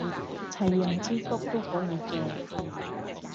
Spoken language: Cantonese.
齊人之福都可以嘅